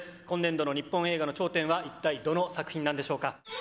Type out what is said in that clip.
今年度の日本映画の頂点は一体どの作品なんでしょうか。